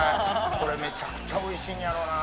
これめちゃくちゃおいしいんやろうな。